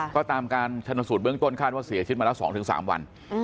ก็ตามการชนสูตรเบื้องต้นคาดว่าเสียชีวิตมาแล้ว๒๓วัน